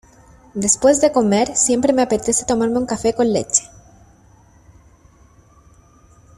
Después de comer siempre me apetece tomarme un café con leche.